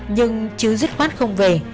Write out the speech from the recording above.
nhưng chứ dứt khoát không về